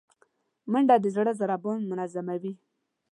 منډه د زړه ضربان منظموي